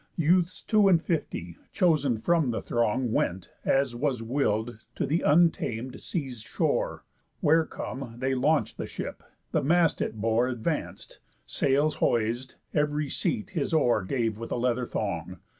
Youths two and fifty, chosen from the throng, Went, as was will'd, to the untam'd sea's shore; Where come, they launch'd the ship, the mast it bore Advanc'd, sails hoiséd, ev'ry seat his oar Gave with a leather thong.